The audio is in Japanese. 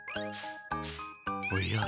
おや？